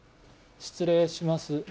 失礼します。